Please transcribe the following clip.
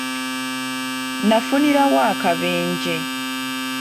Nafunira wa akabenje?